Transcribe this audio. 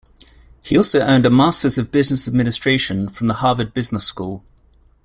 He also earned a Masters of Business Administration from the Harvard Business School.